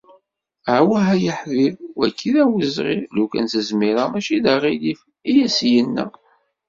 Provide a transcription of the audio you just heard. “Awah! ay aḥbib, wagi d awezɣi, lukan s-zmireɣ mačči d aγilif", I as-yenna.